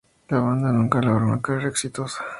La banda nunca logró una carrera exitosa.